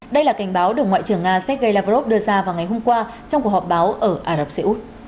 đây là cảnh báo được ngoại trưởng nga sergei lavrov đưa ra vào ngày hôm qua trong cuộc họp báo ở ả rập xê út